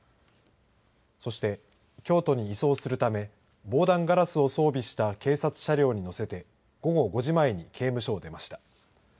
そして京都に移送するため防弾ガラスを装備した警察車両に乗せて午後５時前に刑務所を出ました。